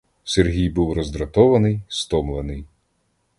Сергій був роздратований, стомлений.